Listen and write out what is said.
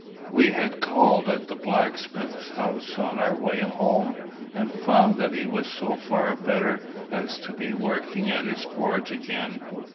We had called at the blacksmith's house on our way home, and found that he was so far better as to be working at his forge again.